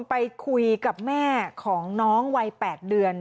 ไปคุยกับแม่ของน้องวัย๘เดือน